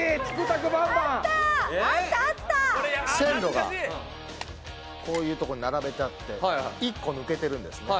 線路がこういうとこに並べてあって１個抜けてるんですね。